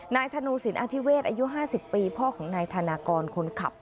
ธนูสินอธิเวศอายุ๕๐ปีพ่อของนายธนากรคนขับ